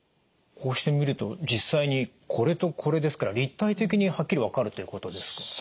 こうして見ると実際にこれとこれですから立体的にはっきり分かるっていうことですか？